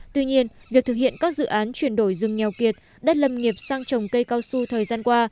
tuy nhiên việc thực hiện các dự án chuyển đổi rừng nghèo kiệt đất lâm nghiệp sang trồng cây cao su thời gian qua